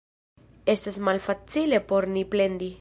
Estas malfacile por ni plendi.